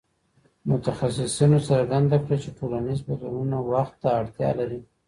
متخصصينو څرګنده کړه چي ټولنيز بدلونونه وخت ته اړتيا لري.